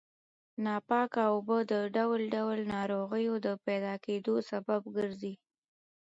ناپاکه اوبه د ډول ډول ناروغیو د پیدا کېدو سبب ګرځي.